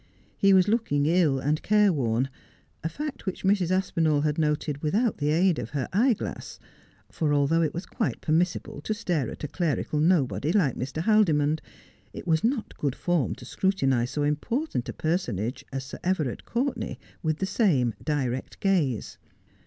He was looking ill and careworn, a fact which Mrs. Aspinall had noted without the aid of her eye glass ; for although it was quite permissible to stare at a clerical nobody like Mr. Haldimond, it was not good form to scrutinize so important a personage as Sir Everard Courtenay with the same direct gaze.